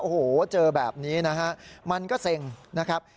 โอ้โหเจอแบบนี้นะฮะมันก็เซ็งนะครับ